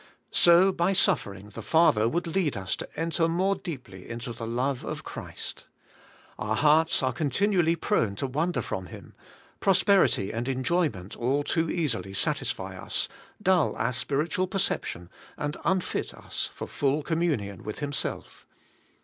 So by suffering the Father would lead us to enter more deeply into the love of Christ. Our hearts are continually prone to wander from Him; prosperity and enjoyment all too easily satisfy us, dull our spiritual perception, and unfit us for full commun ion with Himself.